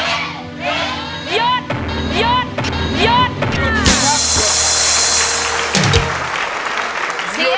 หยุดหยุดหยุดหยุด